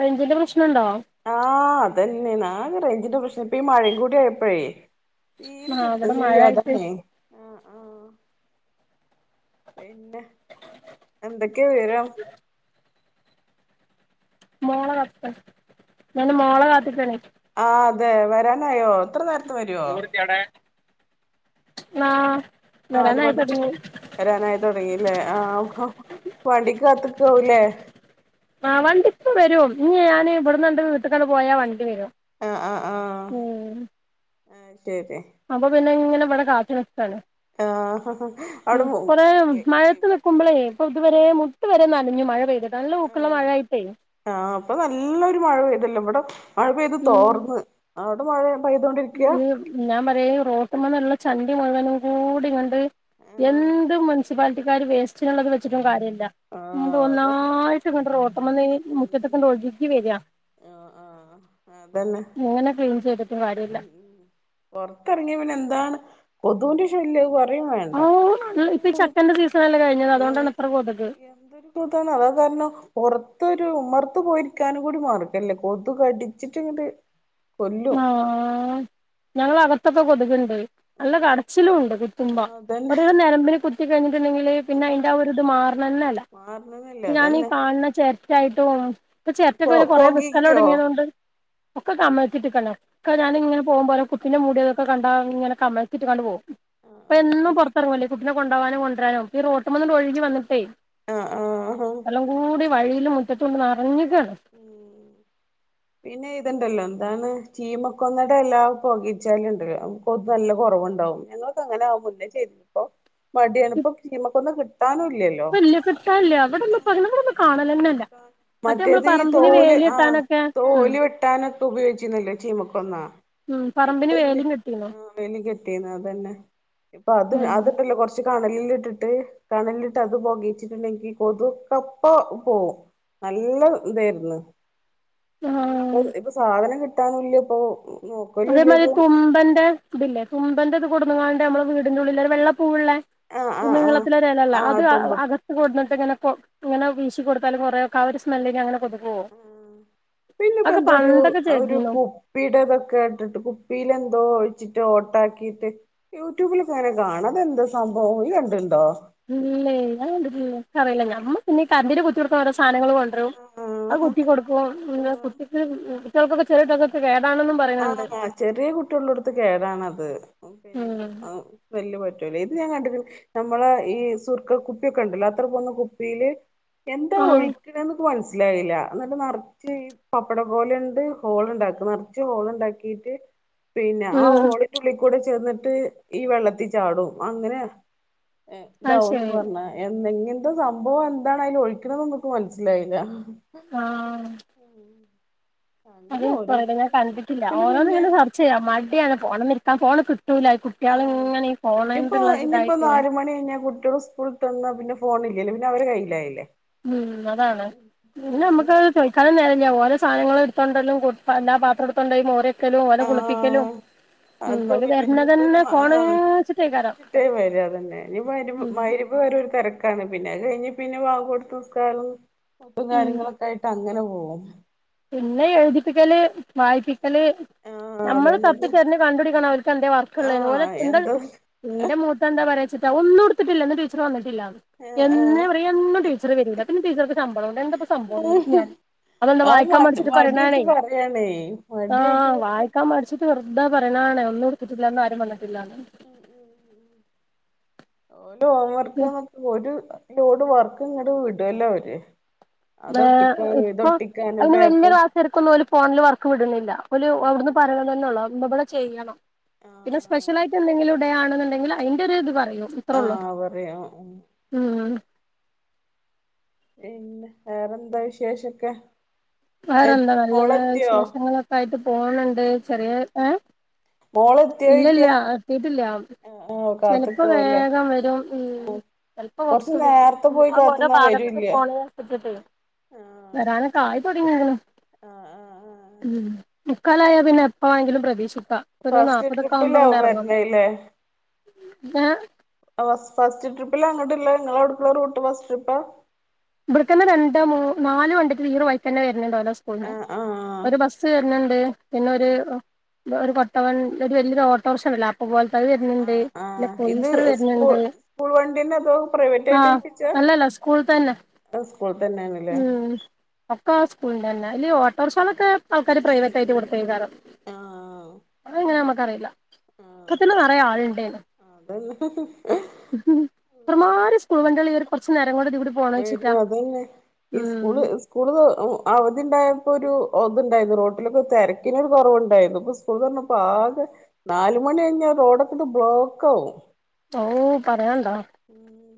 റെയിഞ്ചിന്റെ പ്രശ്നണ്ടോ ആഹ് അതെന്നേന്ന് ആകെ റെയ്ഞ്ചിന്റെ പ്രശ്നം ഇപ്പ ഈ മഴേം കൂടി ആയപ്പെഴേ തീരെ ആ ഇവിടെ മഴ കിട്ട്ന്നില്ല്യാ ആയിട്ട് അതണേ പിന്നെ എന്തെക്ക്യാ വിവരം മോളെ കാത്ത്ക്കാ ഞാന് മോളെ കാത്ത്ക്കേണി ആഹ് അതെ വെരാനായോ ഇത്രെ നേര് മോളില്ല്യെ അവ്ടെ ആഹ് നാലു മണ്ട് വരാനായ് താെടങ്ങീല്ലേ ആഹ് വണ്ടിക്ക് കാത്ത്ക്കാവും ലേ ആഹ് വണ്ടിപ്പ വെരും ഇഞ്ഞ് ഞാന് ഇബട്ന്നാണ്ട് വീട്ട്ക്കാണ്ട് പോയാ വണ്ടി വെരും ആഹ് ആഹ് ആഹ് അത് ശെരി അപ്പൊ പിന്നെങ്ങെനെബെടെ കാത്ത് നിക്കാണ് ആഹ് അവിടെ ഉം പോ കൊറേ മഴയത്ത് ന് ക്കുമ്പളേ പ്പം ത്‌വരേ മുട്ട് വെരെ നനഞ്ഞു മഴ പെയ്തിട്ട് നല്ല ഊക്ക്ള്ളെ ആഹ് മഴായ്ട്ടേ ആഹ് ഇപ്പം നല്ലൊരു മഴ പെയ്തല്ലോ വെടെ മഴ പെയ്ത് ഉം തോർന്ന് അവ്ടെ മഴെ പെയ്തോണ്ടിരിക്ക്യാ ഉം ഞാൻ പറയാ ഈ റോട്ട്മ്മന്ന്ള്ള ചണ്ടി മുഴുവനും കൂടി ഇങ്ങെണ്ട് ആഹ് എന്ത് മുൻസ് പ്പാലിറ്റിക്കാര് വേസ്റ്റിന്ള്ളത് വെച്ചിട്ടും കാര്യല്ലാ ണ്ട് ആഹ് അതെ ഒന്നായിട്ട്ങ്ങട്ട് റോട്ട്മ്മന്ന് ഉം മുറ്റത്ത്ക്ക്ണ്ടാെഴ്കി വെരാ ആഹ് ആഹ് എങ്ങെനെ ക്ലീൻ ചെയ്തിട്ടും കാര്യ പൊർത്തെർങ്ങ്യ പിന്നെന്താണ് കൊതൂന്റെ ശല്യ അത് വെ ആഹ് ഇ ഇപ്പ ഈ ചക്കെന്റെ സീസണല്ലേ കഴിഞ്ഞത് അതോണ്ടാണിത്ര കൊത്ക് ന്തൊര് കൊതാണ് അതാ കാര്ണം പൊർത്തൊരു ഉമ്മർത്ത് പോയിരിക്കാനും കൂടി മാർഗല്ല കൊതു കടിച്ചിട്ടിങ്ങെട് മാ ഞങ്ങളകത്തൊക്കെ കൊത്ക്ണ്ട് നല്ല ആഹ് കടച്ചിലൂണ്ട് കുത്തുമ്പോ ആഹ് അതന്നെ അത് ഞരമ്പിന് കുത്തി കയ്ഞ്ഞിട്ട്ണ്ടെങ്കില് പിന്നെ അയ്ന്റെ ആ ഒരിത് മാറ്ണെന്നെല്ലാ മാർണതൽ ഞാനീ കാണ്ന്ന ചെര്റ്റായ്ട്ടും ഇപ്പ ചെരെട്ടെക്കെ പൊ പിന്നെ കൊറേ പൊകയ്ക്കോ വിക്കലൊട്ങ്ങ്യതോണ്ട് ഒക്കെ കമഴ്ത്തിട്ട്ക്കാണ് ഒക്കെ ആഹ് ഞാനിങ്ങെനെ പോകുമ്പോലെ കുപ്പിന്റെ മുട്യാേതൊക്കെ കണ്ട് അത്ങ്ങെനെ കമഴ്ത്തിട്ട്ക്കാണ്ട് പോകും ഇപ്പ എന്നും പൊർത്തെറ്ങ്ങല്ലാേ ഈ കുട്ടിനെ കൊണ്ടോവാനും കൊണ്ട്‌രാനും ഈ റോട്ട്മ്മെന്ന്ണ്ടാെഴ്കി വന്നിട്ടേ ആഹ് ആഹ് എല്ലാെങ്കൂടി വഴിയിലും മുറ്റത്തൂണ്ട് നെറ്ഞ്ഞ്കാണ് ആഹ് പിന്നെ ഇത്ണ്ടല്ലോ ന്താണ് ചീമക്കൊന്നെടെലാ പോകീച്ചാലുംണ്ട് അം കൊതു നല്ല കൊറവ്ണ്ടാവും ഞങ്ങളൊക്കങ്ങനാ മുന്നേ ചെയ്തപ്പോ മട്യാണ് ഇപ്പം ശീമക്കൊന്ന കിട്ടാനും ഇല്ലൽ ഇപ്പല്ല്യ കിട്ടാൻല്ല്യ വ്ടൊന്നും പ്പങ്ങെനെ വ്ടൊന്നും കാണലെന്നെല്ലാ മറ്റേ ഞമ്മള് പറമ്പിന് വേല്യെട്ടാനൊക്കെ ഓലി വെട്ടാനൊക്കെ ഉപയോഗിച്ചിര്ന്നല്ലോ ചീമക്കൊന്നാ ഉം പറമ്പിന് ഇപ്പല്ല്യ വേലിം കെട്ടീന്നു ആഹ് വേലി കെട്ടീന്നു അതെന്നെ ഇപ്പൊ അത് ഉം അത് ല്ലെ കൊർച്ച് കണല്ൽട്ട്ട്ട് കണൽട്ട് അത് പൊകീച്ചിട്ട്ണ്ടെങ്കി കൊതു ഒക്കെപ്പ പോവും നല്ല ഇതേര്ന്ന് അയ്നിപ്പൊ ആഹ് ഇപ്പൊ സാധനം കിട്ടാനുല്ല്യപ്പാേ അതേമാരി തുമ്പെന്റെ ത്‌ല്ലേ തുമ്പെന്റെത് കൊട്ന്ന്ങ്ങാണ്ട് ഞമ്മെളെ വീടിന്റെ ഉള്ളിലൊര് വെള്ളപ്പൂവ്ള്ളെ ആഹ് ആഹ് ആഹ് നീളത്തിലൊരെലെള്ളെ ആഹ് അത് അ തുമ്പ അക കൊട്ന്ന്ട്ട്ങ്ങെനെ പൊ ഇങ്ങെനെ വീശി കൊട്ത്താലും കൊറേയൊക്കെ ആ ഒര് സ്മെല്ലിലങ്ങെനെ കൊത് ആഹ് പിന്നെപ്പെന്താെരു പണ്ടൊക്കെ അ ഒരു ചെയ്തീന്നു കു പ്പീല്തൊക്കെ ഇട്ട്ട്ട് കുപ്പിയിലെന്തോ ഒഴിച്ചിട്ട് ഓട്ടാക്കീട്ട് യൂടൂബിലൊക്കെങ്ങെനെ കാണാ അതെന്താ സംഭവം ഇയ്യണ്ട്ണ്ടോ ഇല്ലേ ഞാൻ കണ്ട്ട്ടില്ലല്ലോ ക്കറീല്ല ഞമ്മള് പിന്നീ കരണ്ടിന് കുത്ത് യൊട്ക്ക്ന്നോരോ സാനങ്ങള് കൊ ണ്ട്രും അത് ആഹ് കുത്തി കൊട്ക്കും പിന്നെ ആഹ് കുട്ടിക്ക് കുട്ട്യേൾക്കൊക്കെ ചെറ്യേ കുട്ട്യോൾക്കൊക്കെ കേടാണെന്നും പ ആഹ് ആഹ് ചെറ്യേ കുട്ട്യേൾള്ളോട്ത്ത് കേടാണത് ഉം പിന്നെ ത് അ വല്യ പറ്റൂലെ ഇത് ഞാൻ കണ്ടിട്ട് ഞമ്മള് ഈ സുർക്ക കുപ്പിയൊക്കെ ഇണ്ടല്ലോ അത്ര പോന്ന കുപ്പിയില് എന്താ ആഹ് ഒഴിക്കണെന്ന്പ്പ് മനസ്സി ലെഇല്ല എന്നിട്ട് നെറച്ചീ പപ്പടക്കോലുണ്ട് ഹോള്ളുണ്ടാക്ക് നെറ ച്ച് ഹോള്ണ്ടാക്കീറ്റ് പിന്ന ആ ഉം ഹോളിന്റുള്ളീക്കൂടെ ചെന്നിട്ട് ഈ വെള്ളത്തിച്ചാടും അങ്ങനെ എ അത് ഇതാവന്ന് ശരി പർഞ്ഞെ എന്നെ ഇങ്ങൻത്തെ സംഭവ എന്താണയിലൊഴിക്കണതെന്ന്ക്ക് മനസ്സിലായില്ല ആഹ് അതി അങ്ങനെ കൊറെയൊക്കെ ഓരോരുത്തർ ഞാൻ കണ്ടിട്ടില്ല യൂട്യൂബില് പിന്നെ ഓരോന്നിങ്ങന സർച്ച് ചെയ്യാം മടിയാണ് ഫോണ്ന്നെടുത്ത ഫോണ് കിട്ടൂല ഇ കു ആ ഇനിപ്പോ ഇനിയിപ്പോ നാല്മണി കയിഞ്ഞാ കുട്ട്യോളിസ് സ്‌കുളിട്ടുവാന്ന പിന്നെ ഫോണ് ഇല്ലേല്ലോ പിന്നെ അവരെ കയ്യില്ലായില്ലേ ഉം അതാണ് പിന്നെ നമുക്കത് ചൊയ്ക്കാനും നേരം ഇല്ല ഓരോ സാനങ്ങൾ എടുത്തൊണ്ടെല്ലാം കൊടുത്താല പാത്രം എടുത്തോണ്ടയി മോര് ഇക്കലും ഓനെ കുളിപ്പിക്കലും ഉം ആക്കെ ഓല് പിന്നെ ഇനിയിപ്പൊ ഒരു വരണതന്നെ ഫോണ് ആമാ വെച്ചിട്ടേക്കാരം ചിട്ടായ വര് അതന്നെ ഇനിപ്പ വരുമ്പം ഉം മയിര് അതുവരെ ഒരു തിരക്കാണ് പിന്നെ അത് കഴിഞ്ഞ പിന്നെ വാഗ് കൊടുത്തുനിസ്‌കാറും ഒത്തും ഉം കാര്യങ്ങളൊക്കെ ആയിട്ട് അങ്ങനെ പോകും പിന്നെ എഴുതിപ്പിക്കല് വായിപ്പി ക്കല് ആഹ് നമ്മള് തപ്പി അതന്നെ തെരഞ് കണ്ടുപിടിക്കണം അവർക്ക് എന്താ വർക്കിള്ളെയെന് ഓല് എന്താ എന്റെ മൂത്ത എന്താ പറച്ചിട്ടാ ഒന്നും എടുത്തിട്ടില്ലന്ന് ഇന്ന് ടീച്ചർ വന്നിട്ടില്ലന്ന് ആഹ് എന്നെ ആഹ് പറയും എന്നും ടീച്ചറ് വരൂല്ല പിന്നെ ടീച്ചർക്ക് ശമ്പളംഉണ്ട് എന്തപ്പ സംഭവ ഞാ ഞാൻ അതെന്താ അത് വഴി മടി മടിയായിട്ട് പറയണേ മടിയായിട്ട് ക്കാൻ മടിച്ചിട്ട് വെറുത പറയാന്ന ആണേ ഒന്നും എടുത്തിട്ടില്ലന്ന് ആരും വന്നിട്ടില്ലാന്ന് ഉം ഉം ഉം ഒല് ഹോംവർക്ക് നോക്കുമ്പോ ഒരു ലോഡ് വർക്ക് ഇങ്ങട്ട വിടല്ലോ അവര് അതൊട്ടിക്കാനും ഇതൊട്ടിക്കാനും പേപ്പ ചെരക്കൊന്നു ഒര് ഫോണിൽ വർക്ക് വിടുന്നില്ല ഒല് അവിടുന്ന് ആഹ് പറയണ തന്നെ ഉള്ളൂ ആ ഇബിടെ ചെയ്യണം പിന്നെ ആഹ് സ്പെഷ്യലായിട്ട്ന്തെങ്കിലും ഇടെ ആണെന്നുണ്ടെങ്കിൽ അയിന്റെ ഓര് ഇത് പറയു അത്രേ ഉള്ളോ ആഹ് പറയാ ഉം പിന്നെ വേറെന്താ വിശേഷൊക്കെ വേറെന്താ എത്തി നല്ല മോളെത്തിയോ വിശേഷങ്ങളൊക്കെ ആയിട്ട് പോണണ്ട് ചെറിയ ഏ ഇല്ല മോളെത്തിയോയ്ക്ക ഇല്ല എത്തിട്ടില്ല ആഹ് ആഹ് ചെലപ്പോ കാത്ത്ക്കാവുല്ലേ വേഗം വരും ഉം ചിലപ്പോ കൊറച്ച് കൊറച്ചത് നേരത്തെ വൈകും പോയി ആ ഓരോ കാത്ത്ന്നാ ഭാഗത്തക്ക് വരൂല്ല പോണ പറ്റിട്ടെ ആഹ് വരാന കായ് തുടങ്ങിന്ന് ആഹ് ആഹ് ആഹ് ഉം മുക്കാലായാ പിന്നെ എപ്പ വെണെങ്കിലും പ്രതീക്ഷിക്ക ഒരു നാ ഫസ്റ്റ് ലൊക്കെ ആവുമ്പ അങ്ങട് ട്രിപ്പിലാവും ഇറങ്ങണം വരണേല്ലേ ഏ ആ ഫസ്റ്റ് ട്രിപ് ട്രിപ്പിൽ അങ്ങോട്ട ഇല്ലേ നിങ്ങളോടുപ്പുള്ള റൂട്ട് ഫസ് ട്രിപ്പാ ഇവിടക്കന്നെ രണ്ട് മു നാല് വണ്ടിക്ക് ഹീറോ ആയി തന്നെ വരുന്നുണ്ട് ഓരോ സ്കൂളില് ആഹ് ആഹ് ഒരു ബസ്സ് വരണണ്ട് പിന്നെ ഒര് ആഹ് ഒ ഒരു കൊട്ടവൻ ഒരു വലിയരു ഓട്ടോ റിഷണ്ടല്ല അതുപോലെ തന്നെ വരുന്നുണ്ട് ആഹ് അല്ല ആഹ് ഇത് പോലീസർ സ്കൂൾ വരുന്നുണ്ട് സ്കൂൾ വണ്ടിന്നെ അതോ പ്രൈവറ്റ് ആ നല്ലല്ല കുളുതന്നെ ഇപ്പൊ സ്കൂളി തന്നെയാണല്ലേ ഒക്കെ സ്കൂളിന്റെ തന്നെ അല്ലേ ഓട്ടോറിക്ഷകളൊക്കെ ആൾക്കാര് പ്രൈവറ്റ്യട്ട് കൊടുത്തേക്കാറോ ആഹ് അതങ്ങനെ നമ്മുക്കറിയില്ല ഓക്ക്ത്തിൽ ആഹ് നിറയ ആളുണ്ടേനു അതന്നെ ഇത്രമാരി സ്കൂൾ വണ്ടികളി ഒരു കൊറച്ചു നേരം കൊണ്ട് ദിവിടു വരും അത തന്നെ ഈ സ്കൂള് കൂടുത അവധി ഉണ്ടായപ്പോ ഒരു അതുണ്ടായിരുന്നു റോട്ടിലൊക്കെ തിരക്കിനരു കുറവുണ്ടായിരുന്നു ഇപ്പൊ സു പ്പോ ആകെ നാലുമണി കഴിഞ്ഞാ റോഡൊക്കെ ഇപ്പൊ ബ്ലോക്ക് ആകും ഓ പറയ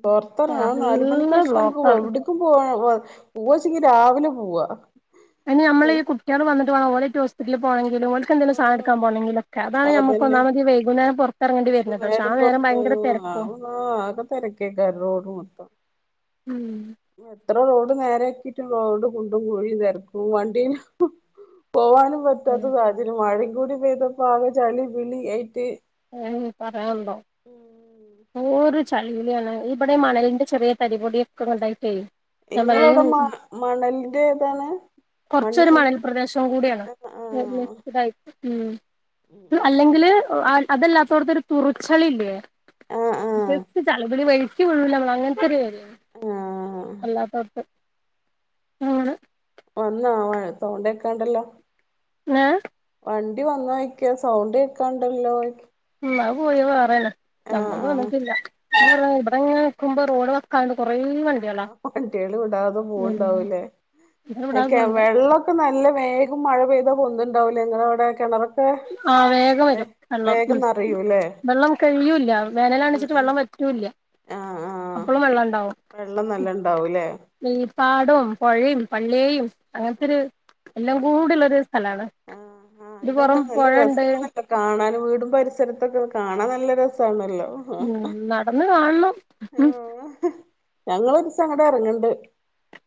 പുറത്തെറങ്ങ ആ നാല മണിക്ക് നല്ല ശേഷം നമുക്ക് ബ്ലോക്കാണ് എവിട് പോവാ പൂവച്ചെങ്കി രാവിലെ പോവാ അനി നമ്മള് ഈ കുട്ടികൾ വന്നിട്ട്ണം ഓല് ഹോസ്പറ്റിൽ പോണെങ്കിലും ഓ ക്ക് എന്തെങ്കും സാന ആഹ് എടുക്കാൻ പോണെങ്കിലൊക്കെ അതാണ് നമുക്ക് അതന്നെ ഒന്നാമത് വൈകുന്നേം പുറത്തിറങ്ങേണ്ടി വരുന്നത് പക്ഷെ ആഹ് നേരം പയങ്കര തിരക്കും ആഹ് ആക തരക്കെ ക റോഡ് മൊത്തം ഉം എത്ര റോഡ് നേരെക്കിട്ടും റോഡ് കുണ്ടും കുഴും ചരക്കും വണ്ടിൽ പോവാനും പറ്റാത്ത സാഹചര്യം മഴീ കൂടി പെയ്തപ്പോ ആകെ ചളി പിളി ആയിട്ട് ഏഹ് പറയാനുണ്ടോ എന്തോരു ചളിപിളിയാണ് ഇ ഇവിടെ മണലിന്റെ ചെറിയ തരിപൊടിയൊക്കെങ്ങ്ടായിട്ടേ ഇങ്ങളവിടെ മ മണലിന്റെ ഇതാണ് കൊർച്ചൊരു മണൽ പ്രദേശം കൂടിയാണ് ഉം ഇതായി ഉം അല്ലെങ്കില് അ അതല്ലാത്തോട്ത്തൊരു തുറിച്ചലില്ലേ ആഹ് ഒരു ആഹ് സൈസ് ചളിപിളി വഴിക്കി വീഴൂല്ലേമ്മള് അങ്ങൻത്തെരു വര ആഹ് അല്ലാപ്പപ്പൊ ആണ് വന്നാവാൻ സൗണ്ടേക്കാണ്ടല്ലോ ഏഹ് വണ്ടി വന്നോയ്ക്ക സൗണ്ട് കേക്കാണ്ടല്ലോ ഉം അത് പോയി അത് വേറേണ് ആഹ് ഞങ്ങളത് ആഹ് വന്നിട്ടില്ല ആഹ് ആഹ് ഇബടെങ്ങനെ ഇരിക്കുമ്പോ റോഡ് വ ക്കാണ്ട് കൊറേ വണ്ടികളാ ആഹ് വണ്ടിയേള് വിടാതെ പോവ്ണ്ടാവൂലേ എ കെ ഇവിടാകൊണ്ട് വെള്ളൊ ക്കെ നല്ല വേഗം മഴ പെയ്താ പൊന്തുണ്ടാവുല്ലേ ഇങ്ങളവിടെ കിണറൊ ആഹ് വേഗം വരും വെള്ളം ഉം നറയൂല്ലേ വെള്ളം കഴിയൂല്ല വേനലാണിച്ചിട്ട് വെള്ളം ആഹ് വ റ്റൂല്ല ആഹ് ആഹ് ആഹ് അപ്പളും വെള്ളം ഇണ്ടാവും വെള്ളം നല്ല ഇണ്ടാവൂലേ ഉം ഈ പാടവും പൊഴീ പള്ളേയും അങ്ങൻത്തൊരു ആഹ് എല്ലാം ആഹ് കൂടിള്ളരു സ്ഥലാണ് ഒരുപൊറം ടെ കാണാനും വീടും പരിസരത്തൊക്കെ കാണാൻ നല്ല രസാണല്ലോ ഉം നടന്ന് കാണണം ഉം ഞങ്ങളൊരീസം അങ്ങ്ട് എറങ്ങണ്ട്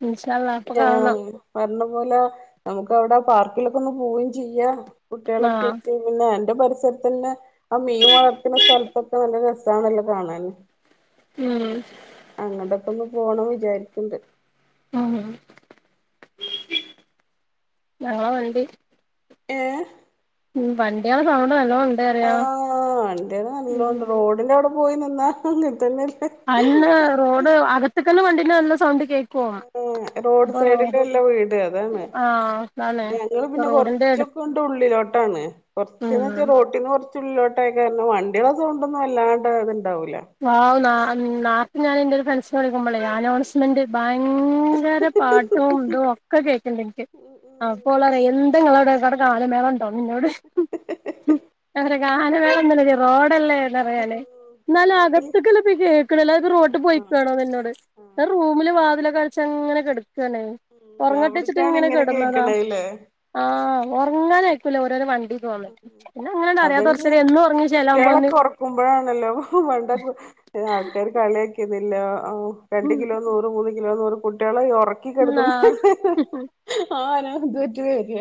ഇൻഷാ അള്ളാ അപ്പൊ ഉം കാണണം പറഞ്ഞ പോലെ നമുക്ക് അവിടെ പാർക്കിലൊക്കെ ഒന്ന് പോവേം ചെയ്യാം ആഹ് കുട്ടിയേളൊക്കേയ്ട്ട് പിന്നെ അന്റെ പരിസരത്തന്നെ ആ മീൻ വളർത്ത്ണ സ്ഥലത്തൊക്കെ നല്ല രസാണല്ലോ കാണാൻ ഉം അങ്ങ്ടൊക്കൊന്ന് പോണം വിചാരിക്ക്‌ണ്ട് ആന്നെ ഞങ്ങളെ വണ്ടി ഏഹ് ഉം വണ്ടിയേളെ സൗണ്ട് നല്ലോ ആഹ് വണ്ടിയേള് നല്ലോണ്ട് റോഡിന്റെ അവിടെ പോയി നിന്നാ അങ്ങത്തന്നല്ലേ അല്ലാ റോഡ് അകത്ത്ക്കന്ന് വണ്ടീന്റെ നല്ല സൗണ്ട് കേ അതെ റോഡ് സൈഡിലല്ലേ വീട് അതാണ് ആഹ് അതാണ് ഞങ്ങള് പിന്നെ റോഡിന്റെ അടു കൊറച്ചൊക്കെങ്ങ്ണ്ട് ഉള്ളിലോട്ടാണ് കൊറച്ച്ന്ന് ഉം വെച്ചാ റോട്ടീന്ന് കൊറേ ച്ചുള്ളിലോട്ടായ കാരണം വണ്ടിയേളെ സൗണ്ടൊന്നും വല്ലാണ്ട് ത്ണ്ടാവൂല്ല വൗ നാ നേർത്തെ ഞാന് എന്റൊരു ഫ്രണ്ട്സിനെ വിളിക്കുമ്പളെ അനൗൺസ്മെന്റ് ഭയങ്കര പാട്ടും ഇതും ഒക്കെ കേക്ക്‌ണ്ട് എൻക്ക് ഉം ഉം അപ്പോളറയാ എന്ത ഇങ്ങളവ്ടെ വ്ടെ ഗാനമേള അവള് ഇന്നോട് അവ്ടെ ഗാനമേളന്നോല്ല റോഡല്ലേന്ന്റിയാണ് ഹലോ ഇന്നാലും റോഡിൽ അകത്ത്ക്കല്ലേപ്പൊ ഈ കേക്ക്‌ണ് അല്ലാതെപ്പൊ റോട്ട് ആഹ് പോയിക്കാണോന്ന് എന്നോട് ഞാ ആഹ് റൂമില് വാതിലക്കടച്ചങ്ങനെ കെടക്കാണ്. ഉം ഒറങ്ങട്ടേച്ചിട്ട് അവിടക്കാണ് ഇങ്ങനെ കെടന്നതാ. കേക്കണല്ലേ ആഹ് ഒറങ്ങാനയക്കൂല്ലേ ഓരോരോ വണ്ടി ഉം. വന്നിട്ട്. പിന്നെങ്ങനങ്ങ്ട് അറിയാതെ കൊർച്ചേരം എന്നോറങ്ങി ചേലാകുമ്പോന്ന്‌ ക്കുമ്പഴാണല്ലോ പണ്ടൊക്കെ ആൾക്കാര് കളിയാക്കീന്നല്ലോ ആഹ്. രണ്ട് ഉം കിലോ നൂറ് മൂന്ന് കിലോ നൂറ് കുട്ട്യോളെ ന്നാ ഒറക്കിക്കെടുത്തുമ്പഴേക്കാരം ആഹ് ഓരോതായിട്ട് വര.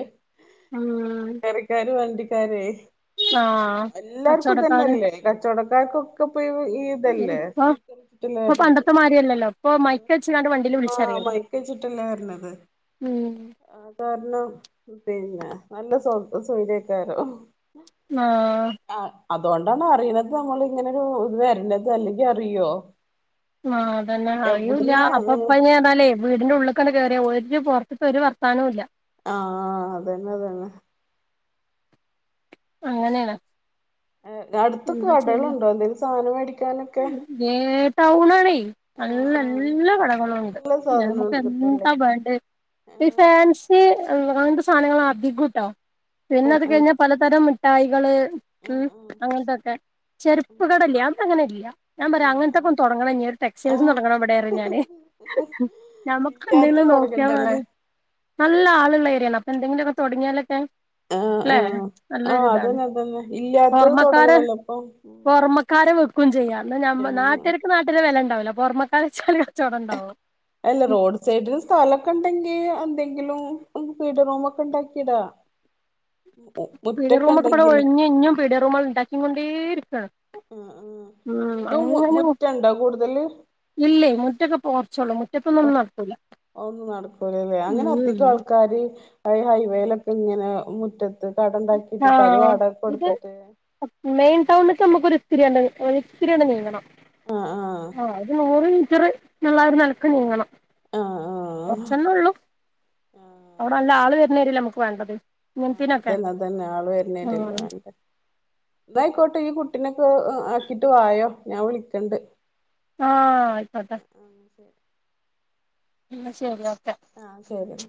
ഉം പച്ചക്കറിക്കാരും വണ്ടിക്കാരെ. ഇപ്പൊ ആഹ് എല്ലാർക്കും കച്ചോടക്കാര് ഇതന്നെല്ലേ കച്ചോടക്കാർക്കൊക്കെ ഇപ്പൊ ഈ ഇതല്ലേ ഇപ്പൊ സ്പീക്കറിട്ടിട്ട് ഇപ്പൊ വരല്? പണ്ടത്തെ മാരിയല്ലല്ലോ ഇപ്പൊ മൈക്ക് വെച്ച്ങ്ങാണ്ട് വണ്ടിയില് ഉം വിളിച്ചറിയാണ് [unintelligible] ച്ചിട്ടല്ലേ വര്ണത്? ഉം. ആ കാരണം പിന്നെ നല്ല സ്വ, സ്വരായ്കാരം ആ ആ അതോണ്ടാണ് അറിയണത് നമ്മൾ ഇങ്ങനെരു ഇത് വര്ണത് അല്ലെങ്കി അറിയോ. ആ അതന്നെ അറിയൂല്ല എവിടുന്ന് അപ്പൊപ്പ ഞ്ഞി ഏതാലേ. വീടിന്റെ ഉള്ള് കാണ്ട് കെറിയ ഒരു പൊറത്ത്‌ത്ത ഒരു വർത്താനോം ഇല്ല ആഹ് അതന്നെഅതന്നെ. അങ്ങനെണ്. അടുത്തൊകടെളുണ്ടോ എന്തെലും സാനം മേടിക്കാനൊക്കെ. ഏ ടൗണാണെ. ആഹ് നല്ല ആഹ് എല്ല കടകളും ഉണ്ട് എല്ലാ സാധനവും നമുക്ക് ഉണ്ട് കിട്ടുംല്ലേ എന്താ വേണ്ടെ ഈ ഫാൻസി അങ്ങത്തെ സാനങ്ങൾ അധികൂട്ടോ ആഹ് പിന്നത് ആഹ് കഴിഞ്ഞ. പലതരം മിഠായികള്. ഉം ആഹ് ആഹ് അങ്ങനത്തൊക്കെ. ചെരുപ്പ് കടല്ല്യ അതങ്ങനെ ഇല്ല. ഞാ പറയും ആഹ് അങ്ങനത്തൊക്കെ തൊടങ്ങണം ഞ്ഞി ആഹ് ആഹ് ഒരുടെസ്റ്റൈൽസും ആഹ് തൊടങ്ങണംവിടെറയും ഞാന്. ഞമുക്കെന്തെലും ഇല്ലാത്തത് നോക്കിയാ തൊടങ്ങണ്ടല്ലേ മതി. നല്ല ആളുള്ള ഏരിയാണ് അപ്പൊ എന്തെങ്കിലുക്കെ തൊടങ്ങിയാലൊക്കെ. ആഹ്, ആഹ്, ആഹ് അതന്നെ, അതന്നെ ഇല്ലാത്തത് പൊറമക്കാര് തൊടങ്ങണല്ലോ ഇപ്പൊ പൊറമക്കാരെ വെക്കും ചെയ്യാ. ഞമ്മ ആഹ് നാട്ടിരക്ക് നട്ടില് വെലണ്ടാവില്ല പൊറമ കളിച്ചാല് കച്ചോടണ്ടാവും. അല്ല റോഡ് സൈഡന് സ്ഥലക്കെണ്ടെങ്കി എന്തെങ്കിലും പീടെ റൂമക്കെ ഉണ്ടാക്കിടാ. പിടിയ റൂമൊക്കെഇപ്പളും ഇവിടെ ഇണ്ടെങ്കില് ഒഴിഞ്ഞഞ്ഞ്ഞും പിടിയ റൂമൾ ഉണ്ടാക്കി കൊണ്ടേ ഇരിക്കാണ്. ഉം ഉം ന്തോമുറ്റണ്ടോ കൂടുതല്? ഇല്ലേ മുറ്റൊക്കെ പോർച്ചോളൂ മുറ്റത്തൊന്നും ഒന്നും നടക്കൂല. ഒന്നും നടക്കൂലല്ലേ അങ്ങനെ ഉം അധികം ആൾക്കാര് ഹൈവേയിലൊക്കെ ഇങ്ങനെ മുറ്റത്ത് കട ഉണ്ടാക്കിട്ടിട്ട് അത് ആഹ് വാടക ഇത് കൊടുത്തിട്ട് മെയിൻ ടൗണിക് നമുക്കോരിത്തിരിയൊണ്ട് ഒരുരിത്തിയട് നീങ്ങണം. ആ ആഹ് ആ അത് നൂറ് മീറ്റർന്ന്ള്ളാര് നെലക്ക് നീങ്ങണം ആഹ് ആഹ് കൊറച്ചന്നെ ഉള്ളൂ. ആഹ് അവിടെല്ല ആൾ വരുന്നെരിയാല നമുക്ക് വേണ്ടത്. ആ ഇങ്ങനത്തീനൊക്കെ അതന്നെ, അതന്നെ ആള് വരുന്നേരല്ലേ ആഹ് വേണ്ടെ. ന്നായിക്കോട്ടെ ഈ കുട്ടിനൊക്കെ ആക്കിട്ട് വായോ ഞാൻ വിളിക്കണ്ട്. ആഹ് ആയിക്കോട്ടെ. പിന്ന ശരി ഓക്കെ. ആഹ് തേരും